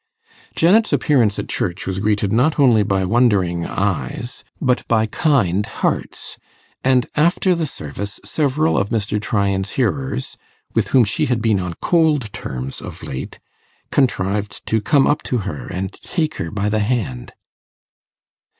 Janet's appearance at church was greeted not only by wondering eyes, but by kind hearts, and after the service several of Mr. Tryan's hearers with whom she had been on cold terms of late, contrived to come up to her and take her by the hand.